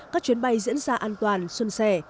các chuyến bay diễn ra an toàn xuân xẻ